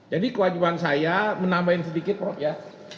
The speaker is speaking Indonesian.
jadi kewajiban saya menambahin sedikit ya